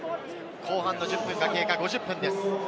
後半の１０分が経過、５０分です。